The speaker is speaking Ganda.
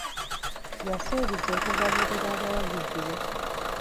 Yasuubiza okugabirira abawagizi be.